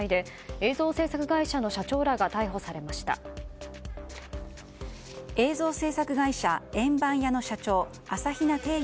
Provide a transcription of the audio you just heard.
映像制作会社、円盤家の社長朝比奈貞祐